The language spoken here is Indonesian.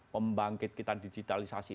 pembangkit kita digitalisasi